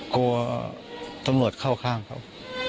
กลัวตำรวจเข้าข้างเขา